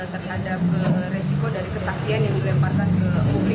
terhadap resiko dari kesaksian yang dilemparkan ke publik